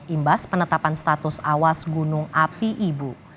imbas penetapan status awas gunung api ibu